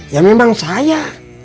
ya memang saya